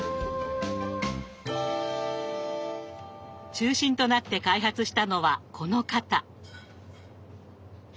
中心となって開発したのはこの方。